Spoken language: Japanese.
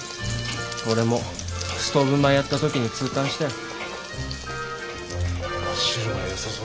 俺もストーブ前やった時に痛感したよ。